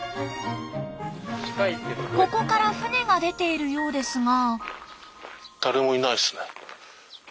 ここから船が出ているようですが。